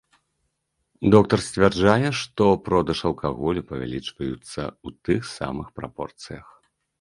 Доктар сцвярджае, што продаж алкаголю павялічваюцца ў тых самых прапорцыях.